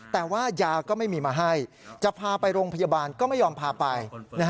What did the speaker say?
แต่ว่ายาก็ไม่มีมาให้จะพาไปโรงพยาบาลก็ไม่ยอมพาไป